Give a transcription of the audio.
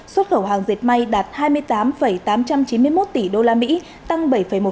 xuất khẩu hàng dệt may đạt hai mươi tám tám trăm chín mươi một tỷ đô la mỹ tăng bảy một